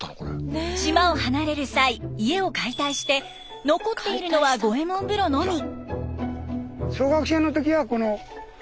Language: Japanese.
島を離れる際家を解体して残っているのは五右衛門風呂のみ。